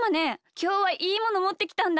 きょうはいいものもってきたんだ。